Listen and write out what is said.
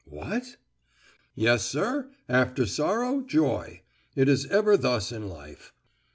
"What?" "Yes, sir! after sorrow, joy! It is ever thus in life.